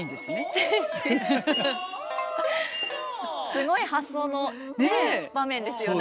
すごい発想の場面ですよね。